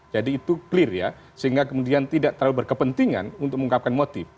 jadi itu clear ya sehingga kemudian tidak terlalu berkepentingan untuk mengungkapkan motif